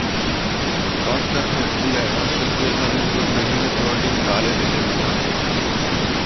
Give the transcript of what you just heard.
Porta Erculea sorgeva lungo il perimetro orientale delle mura.